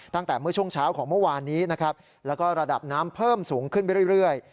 ตั้งแต่เมื่อช่วงเช้าของเมื่อวานนี้นะครับแล้วก็ระดับน้ำเพิ่มสูงขึ้นไปเรื่อย